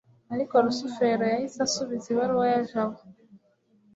rusufero yahise asubiza ibaruwa ya jabo